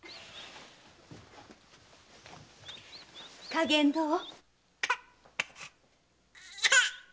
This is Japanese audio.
加減どう？